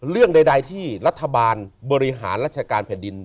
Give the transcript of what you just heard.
เรื่องใดที่รัฐบาลบริหารราชการแผ่นดิน